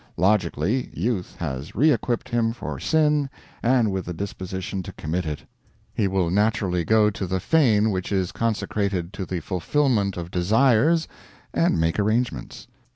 Logically, Youth has re equipped him for sin and with the disposition to commit it; he will naturally go to the fane which is consecrated to the Fulfillment of Desires, and make arrangements.